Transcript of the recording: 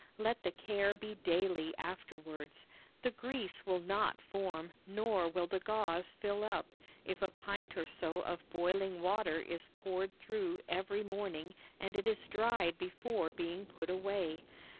Let the care be daily afterwards. The grease will not form, nor will the gauze fill up, if a pint or so of boiling water is poured through every morning and it is dried before being put away.